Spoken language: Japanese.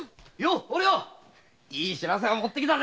お涼いい知らせ持ってきたぜ。